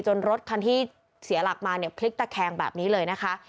รถคันที่เสียหลักมาเนี่ยพลิกตะแคงแบบนี้เลยนะคะ